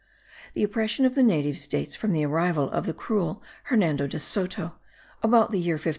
The oppression of the natives dates from the arrival of the cruel Hernando de Soto about the year 1539.